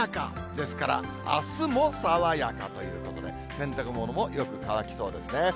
ですから、あすも爽やかということで、洗濯物もよく乾きそうですね。